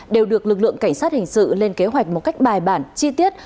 đều được lực lượng cảnh sát hình sự lên kế hoạch một cách bài bản chi tiết